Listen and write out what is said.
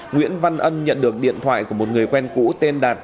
nguyễn văn ân nhận được điện thoại của một người quen cũ tên đạt